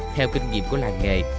theo kinh nghiệm của làng nghệ